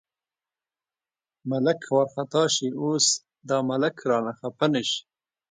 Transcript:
ملک وارخطا شي، اوس دا ملک رانه خپه نه شي.